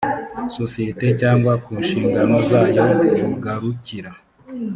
sosiyete cyangwa ku nshingano zayo bugarukira